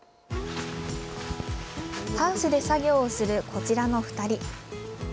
ハウスで作業をするこちらの２人。